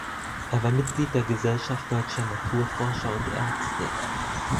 Er war Mitglied der Gesellschaft Deutscher Naturforscher und Ärzte.